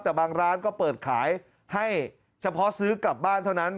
แต่บางร้านก็เปิดขายให้เฉพาะซื้อกลับบ้านเท่านั้น